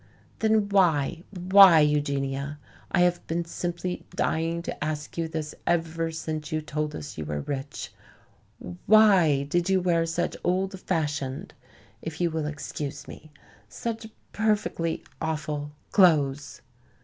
"Then why why, Eugenia (I have been simply dying to ask you this ever since you told us you were rich) why did you wear such old fashioned if you will excuse me such perfectly awful clothes?"